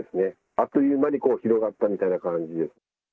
あっという間に広がったみたいな感じです。